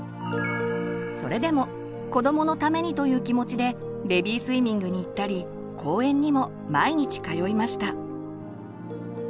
それでも「子どものために」という気持ちでベビースイミングに行ったり公園にも毎日通いました。